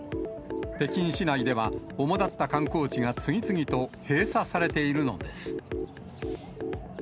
北京市内では、主だった観光地が次々と閉鎖されているのです。